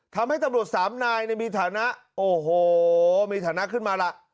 ทำให้ตำรวจสามนายมีฐานะโอ้โหมีฐานะขึ้นมาล่ะ